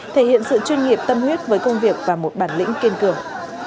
thể hiện sự chuyên nghiệp tâm huyết với công việc và một bản lĩnh kiên cường